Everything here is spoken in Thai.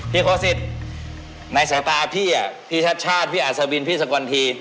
พี่โคตรสิทธิ์ในสตาพี่พี่ชัดชาติพี่อาสบินพี่สกวันธี